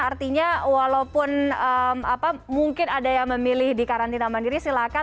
artinya walaupun mungkin ada yang memilih di karantina mandiri silakan